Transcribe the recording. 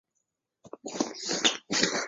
浙江乡试第七十五名。